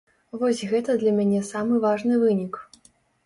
Вось гэта для мяне самы важны вынік.